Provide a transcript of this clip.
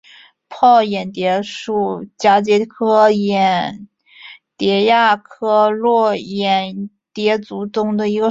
泡眼蝶属是蛱蝶科眼蝶亚科络眼蝶族中的一个属。